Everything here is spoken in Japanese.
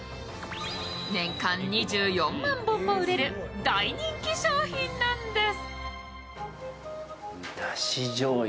年間２４万本も売れる大人気商品なんです。